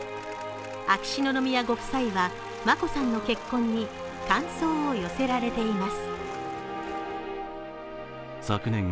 秋篠宮ご夫妻は眞子さんの結婚に感想を寄せられています。